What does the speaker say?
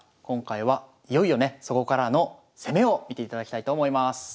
今回はいよいよねそこからの攻めを見ていただきたいと思います。